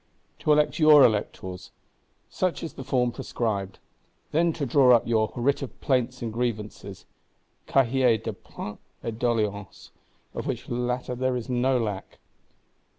To elect your Electors; such is the form prescribed: then to draw up your "Writ of Plaints and Grievances (Cahier de plaintes et doléances)," of which latter there is no lack.